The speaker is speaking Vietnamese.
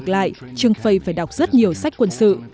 vậy trương phây phải đọc rất nhiều sách quân sự